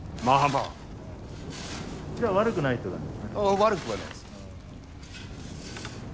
じゃあ悪くない？